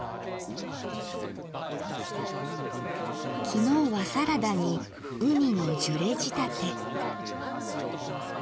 きのうはサラダにうにのジュレ仕立て。